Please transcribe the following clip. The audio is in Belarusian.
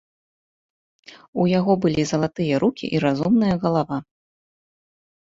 У яго былі залатыя рукі і разумная галава.